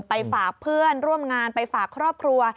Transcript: ไปฝากเพื่อนร่วมงานไปฝากครอบครัว